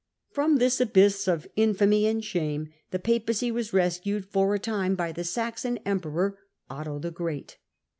From this abyss of infamy and shame the Papacy was rescued for a time by the Saxon emperor Otto the Great.